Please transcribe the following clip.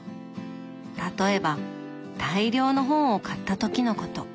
例えば大量の本を買った時のこと。